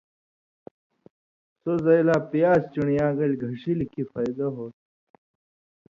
سو زئ لا پیاز چن٘ڑیۡ را گیل گھݜِلیۡ کھیں فائدہ ہوتُھو۔